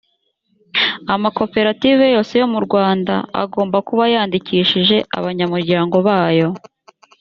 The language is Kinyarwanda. amakoperative yose yo rwanda agomba kuba yandikishije abanyamuryango bayo